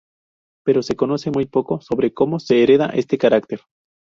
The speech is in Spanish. Pero se conoce muy poco sobre cómo se hereda este carácter.